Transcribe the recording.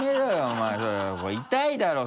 お前それ痛いだろ！